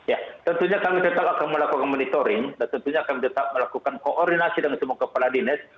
ya tentunya kami tetap akan melakukan monitoring dan tentunya akan tetap melakukan koordinasi dengan semua kepala dinas